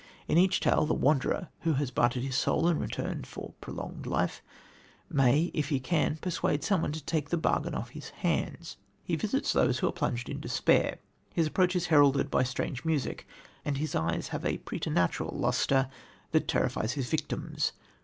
In each tale the Wanderer, who has bartered his soul in return for prolonged life, may, if he can, persuade someone to take the bargain off his hands. He visits those who are plunged in despair. His approach is heralded by strange music, and his eyes have a preternatural lustre that terrifies his victims.